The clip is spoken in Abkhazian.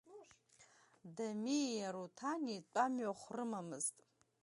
Дамеии Аруҭани тәамҩахә рымамызт.